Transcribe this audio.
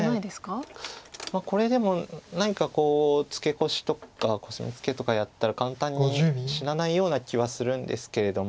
これでも何かツケコシとかコスミツケとかやったら簡単に死なないような気はするんですけれども。